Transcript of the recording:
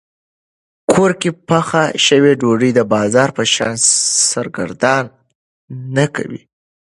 کور کې پخه شوې ډوډۍ د بازار په شان سرګردان نه کوي.